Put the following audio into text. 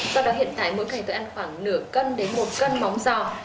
do đó hiện tại mỗi ngày tôi ăn khoảng nửa cân đến một cân móng giò